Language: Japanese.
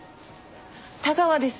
田川です